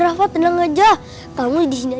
kalau punya anak cewek lucu ya